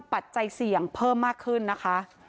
ปัจจัยเสี่ยงเพิ่มมากขึ้นนะคะ